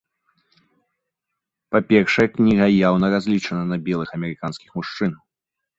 Па-першае, кніга яўна разлічана на белых амерыканскіх мужчын.